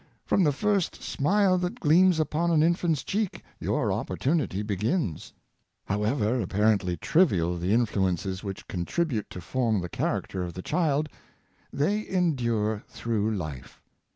From the first smile that gleams upon an infant's cheek, your opportunity begins." However apparently trival the influences which con tribute to form the character of the child, they endure through life.